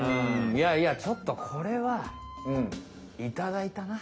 いやいやちょっとこれはいただいたな。